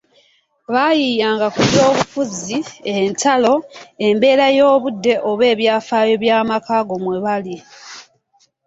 Baayiiiyanga ku by’obubufuzi, entalo, embeera y’obudde oba ebyafaayo by'amaka ago mwe bali.